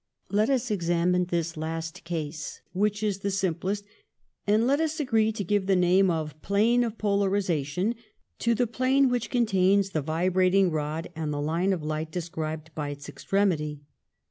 Let us examine this last case, which is the sim plest, and let us agree to give the name of plane of polarisation to the plane which contains the vibrating rod and the line of light described by its extremity.